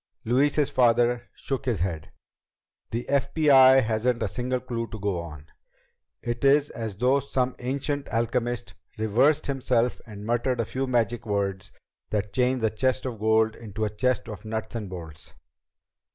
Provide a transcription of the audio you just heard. Louise's father shook his head. "The FBI hasn't a single clue to go on. It is as though some ancient alchemist reversed himself and muttered a few magic words that changed a chest of gold into a chest of nuts and bolts."